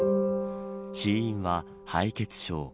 死因は敗血症。